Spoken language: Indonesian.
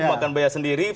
makan bayar sendiri